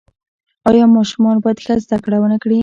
آیا ماشومان باید ښه زده کړه ونکړي؟